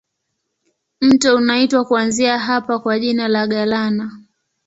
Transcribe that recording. Mto unaitwa kuanzia hapa kwa jina la Galana.